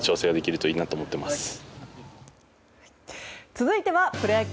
続いてはプロ野球。